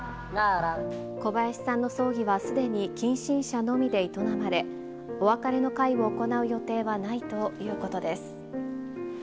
小林さんの葬儀はすでに近親者のみで営まれ、お別れの会を行う予定はないということです。